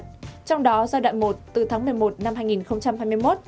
trong đó giai đoạn một từ tháng một mươi một năm hai nghìn hai mươi một